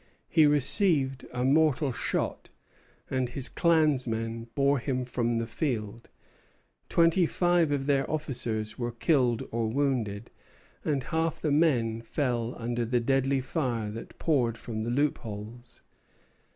He received a mortal shot, and his clansmen bore him from the field. Twenty five of their officers were killed or wounded, and half the men fell under the deadly fire that poured from the loopholes.